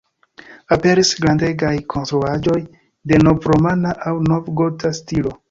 Aperis grandegaj konstruaĵoj de nov-romana aŭ nov-gota stilo.